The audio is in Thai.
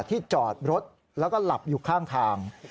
ที่จอดรถแล้วก็หลับอยู่ข้างทาง